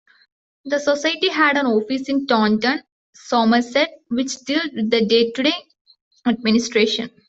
The Society had an office in Taunton, Somerset, which dealt with day-to-day administration.